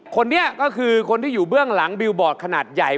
คนนี้ก็คือคนที่อยู่เบื้องหลังบิลบอร์ดขนาดใหญ่